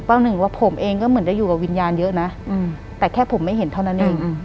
หลังจากนั้นเราไม่ได้คุยกันนะคะเดินเข้าบ้านอืม